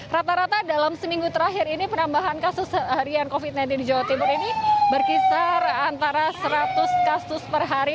rata rata dalam seminggu terakhir ini penambahan kasus harian covid sembilan belas di jawa timur ini berkisar antara seratus kasus per hari